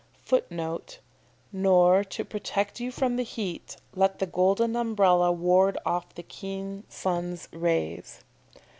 [Footnote: "Nor to protect you from the heat, let the golden umbrella ward off the keen sun's rays."